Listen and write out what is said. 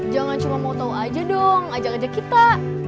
jangan cuman mau tau aja dong ajak ajak kita